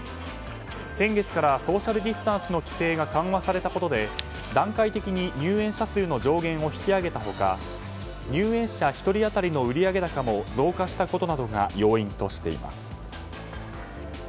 先月からソーシャルディスタンスの規制が緩和されたことで段階的に入園者数の上限を引き上げた他入園者１人当たりの売上高も増加したことなどが要因としています。